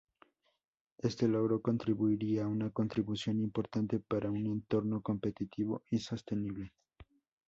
Este logro contribuirá una contribución importante para un entorno competitivo y sostenible.